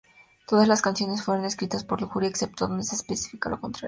Todas las canciones fueron escritas por Lujuria, excepto donde se especifica lo contrario.